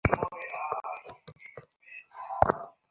আন্তঃপ্রাচীরে choanocyte নামক কোষে পরিবেষ্টিত একাধিক প্রকোষ্ঠ রয়েছে।